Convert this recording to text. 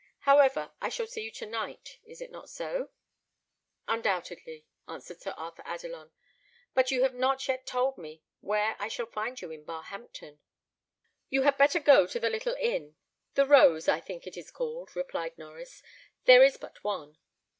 However, I shall see you to night. Is it not so?" "Undoubtedly," answered Sir Arthur Adelon; "but you have not yet told me where I shall find you in Barhampton." "You had better go to the little inn the Rose, I think it is called," replied Norries; "there is but one.